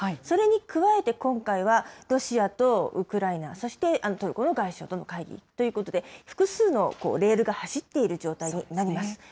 それに加えて今回は、ロシアとウクライナ、そしてトルコの外相との会議ということで、複数のレールが走っている状態になります。